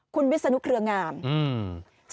คุณวิศนุเครืองามอืม